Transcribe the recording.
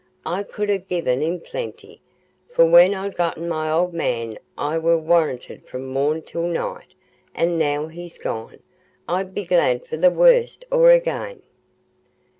I could ha' gi'en 'em plenty; for when I'd gotten my old man I war worreted from morn till night; and now he's gone, I'd be glad for the worst o'er again."